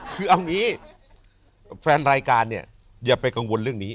คือเอางี้แฟนรายการเนี่ยอย่าไปกังวลเรื่องนี้